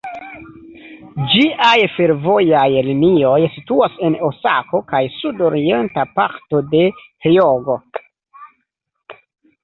Ĝiaj fervojaj linioj situas en Osako kaj sud-orienta parto de Hjogo.